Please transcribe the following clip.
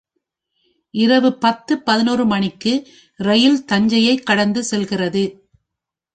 இரவு பத்துப் பதினோரு மணிக்கு ரயில் தஞ்சையைக் கடந்து செல்கிறது.